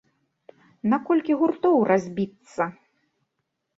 На колькі гуртоў разбіцца?